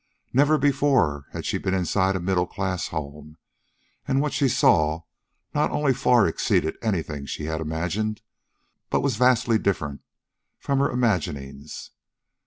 Never before had she been inside a middle class home, and what she saw not only far exceeded anything she had imagined, but was vastly different from her imaginings.